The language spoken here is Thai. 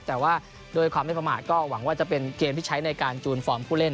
แต่ว่าด้วยความไม่ประมาทก็หวังว่าจะเป็นเกมที่ใช้ในการจูนฟอร์มผู้เล่น